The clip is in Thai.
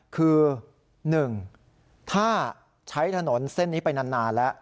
คือ๑ถ้าใช้ถนนเส้นนี้ไปนานแล้ว